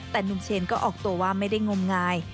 แต่หนุ่มเชนก็ออกตัวว่าไม่ได้งมงาย